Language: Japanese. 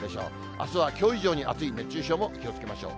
あすはきょう以上に暑い、熱中症も気をつけましょう。